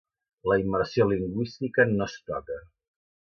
La immersió lingüística no es toca.